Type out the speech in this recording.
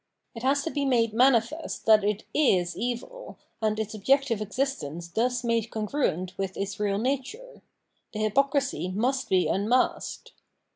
It has to be made manifest that it is evil, and its objective existence thus made congruent with its real nature ; the hypocrisy must be unmasked.